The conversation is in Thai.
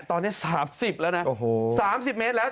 ตอนนี้๓๐แล้วนะ๓๐เมตรแล้ว